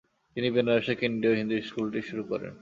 তিনি বেনারসে কেন্দ্রীয় হিন্দু স্কুলটি শুরু করেন।